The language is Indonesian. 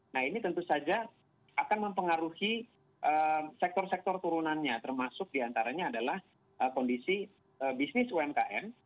nah ini tentu saja akan mempengaruhi sektor sektor turunannya termasuk diantaranya adalah kondisi bisnis umkm